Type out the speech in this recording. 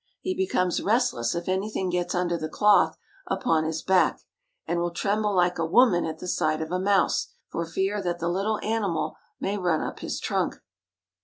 He becomes rest less if anything gets under the cloth upon his back, and will tremble like a woman at the sight of a mouse, for fear that the little animal may run up his trunk.